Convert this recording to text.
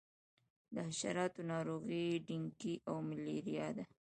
د حشراتو ناروغۍ ډینګي او ملیریا دي.